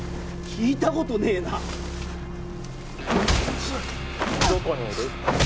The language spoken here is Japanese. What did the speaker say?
聞いたことねえなどこにいる？